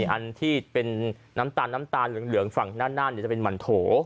อันที่เป็นน้ำตาลเหลืองฝั่งหน้านั้นจะเป็นหม่อนโถ